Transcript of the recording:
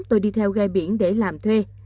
tôi đi theo ghe biển để làm thuê